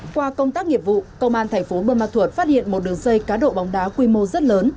qua công tác nghiệp vụ công an thành phố buôn ma thuột phát hiện một đường dây cá độ bóng đá quy mô rất lớn